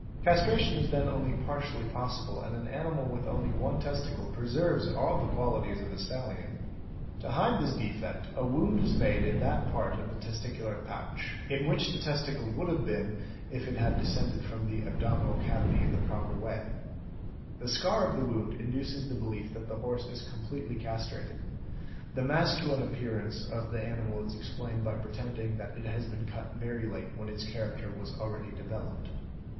Castration is then only partially possible and an animal with only one testicle preserves all the qualities of a stallion. To hide this defect, a wound is made in that part of the testicular pouch, in 812 CHEATING AND FRAUD which the testicle would have been if it had descended from the abdomi nal cavity in the proper way; the scar of the wound induces the belief that the horse is completely castrated ; the masculine appearance of the animal is explained by pretending that it has been cut very late when its character was already developed.